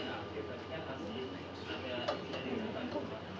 semua masyarakat ini sudah memulai segala alam